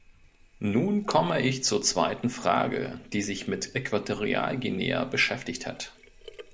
Nun komme ich zur zweiten Frage, die sich mit Äquatorialguinea beschäftigt hat.